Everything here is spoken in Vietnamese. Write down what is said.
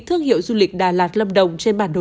thương hiệu du lịch đà lạt lâm đồng trên bản đồ